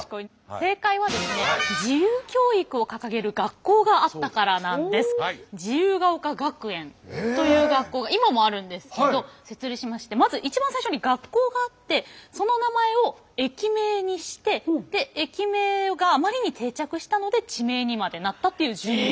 正解はですね自由ヶ丘学園という学校が今もあるんですけど設立しましてまず一番最初に学校があってその名前を駅名にしてで駅名があまりに定着したので地名にまでなったという順番。